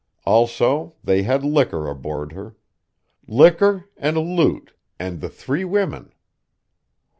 Also, they had liquor aboard her. Liquor, and loot, and the three women.